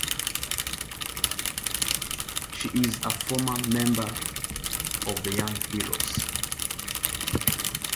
She is a former member of the Young Heroes.